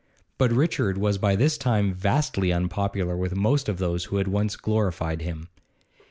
But Richard was by this time vastly unpopular with most of those who had once glorified him.